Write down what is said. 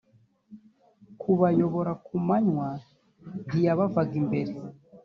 kubayobora ku manywa ntiyabavaga imbere